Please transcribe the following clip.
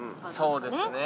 そうですね。